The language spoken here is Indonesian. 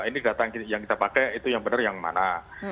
ini data yang kita pakai itu yang benar yang mana